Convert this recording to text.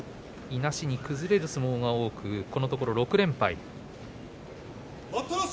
いなしに崩れる相撲が多くこのところ６連敗。